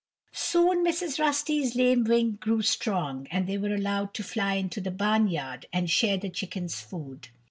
Soon Mrs. Rusty's lame wing grew strong, and they were allowed to fly into the barn yard and share the chickens' food.